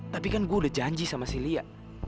tapi kan gue udah janji sama si lia